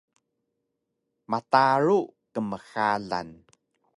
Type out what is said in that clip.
mtaru kmxalan